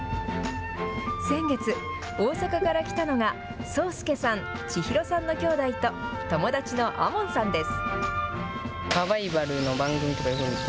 先月、大阪から来たのがそうすけさんちひろさんの兄弟と友達のあもんさんです。